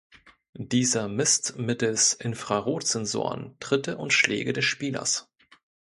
Dieser misst mittels Infrarotsensoren Tritte und Schläge des Spielers.